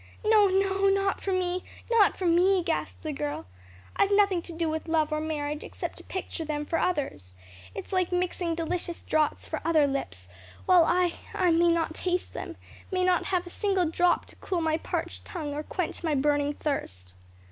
"No, no; not for me! not for me!" gasped the girl. "I've nothing to do with love or marriage, except to picture them for others. It's like mixing delicious draughts for other lips, while I I may not taste them may not have a single drop to cool my parched tongue, or quench my burning thirst."